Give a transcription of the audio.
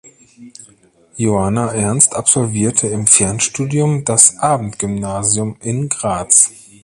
Johanna Ernst absolvierte im Fernstudium das Abendgymnasium in Graz.